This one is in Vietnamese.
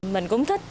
mình cũng thích